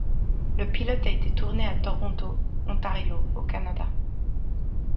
Le pilote a été tourné à Toronto, Ontario, au Canada.